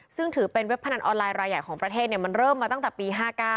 ซึ่งถือเป็นเว็บพนันออนไลน์รายใหญ่ของประเทศมันเริ่มมาตั้งแต่ปี๕๙